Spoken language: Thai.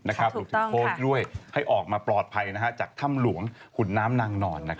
รวมถึงโพสต์ด้วยให้ออกมาปลอดภัยจากถ้ำหลวงขุนน้ำนางนอน